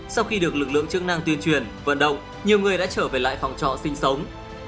sau khi được lực lượng chức năng tuyên truyền vận động nhiều người đã trở về lại phòng trọ sinh sống